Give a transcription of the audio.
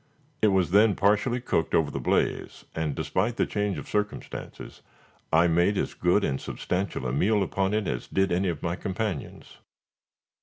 It was then partially cooked over the blaze, and despite the change of circumstances, I made as good and substantial a meal upon it as did any of my companions.